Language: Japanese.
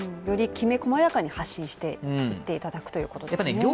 よりきめ細やかに発信していっていただくということですね。